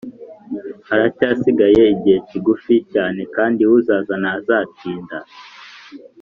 Haracyasigaye igihe kigufi cyane Kandi uzaza ntazatinda